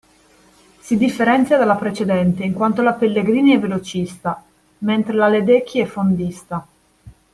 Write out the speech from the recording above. Si differenzia dalla precedente in quanto la Pellegrini è velocista mentre la Ledecky è fondista.